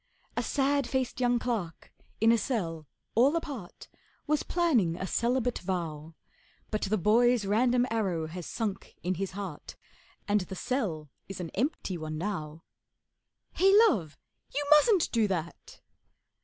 A sad faced young clerk in a cell all apart Was planning a celibate vow; But the boy's random arrow has sunk in his heart, And the cell is an empty one now. 'Hey, Love, you mustn't do that!